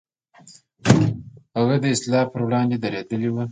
هغوی د اصلاح پر وړاندې درېدلي و.